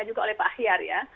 dan juga oleh pak akhir ya